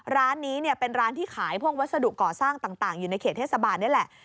ร้านนี้เป็นร้านที่ขายพวกวัสดุก่อสร้างต่างอยู่ในเขตเทศบาลนี่แหละ